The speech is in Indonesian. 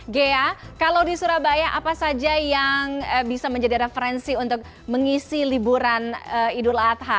ghea kalau di surabaya apa saja yang bisa menjadi referensi untuk mengisi liburan idul adha